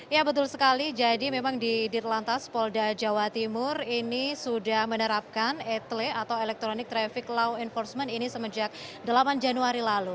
ya betul sekali jadi memang di dirlantas polda jawa timur ini sudah menerapkan etle atau electronic traffic law enforcement ini semenjak delapan januari lalu